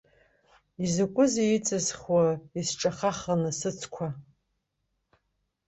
Изакәызеи иҵызхуа исҿахаханы сыцқәа?